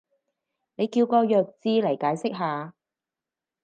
你叫個弱智嚟解釋下